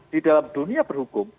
di dalam dunia berhukum